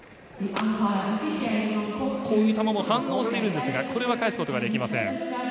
こういう球も反応しているんですがこれも返すことはできません。